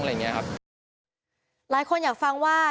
การไฟฟ้าว่ายังไง